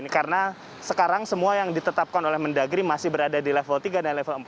karena sekarang semua yang ditetapkan oleh mendagri masih berada di level tiga dan level empat